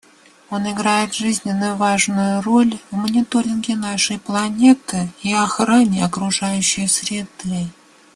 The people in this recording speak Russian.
Он играет жизненно важную роль в мониторинге нашей планеты и охране окружающей среды.